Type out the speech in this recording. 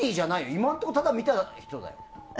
今のところ、ただ見た人だよ。